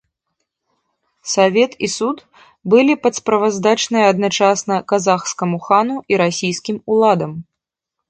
Савет і суд былі падсправаздачныя адначасна казахскаму хану і расійскім уладам.